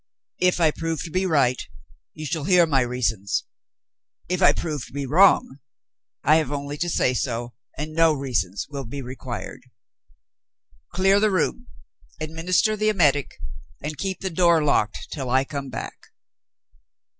"If I prove to be right, you shall hear my reasons. If I prove to be wrong, I have only to say so, and no reasons will be required. Clear the room, administer the emetic, and keep the door locked till I come back."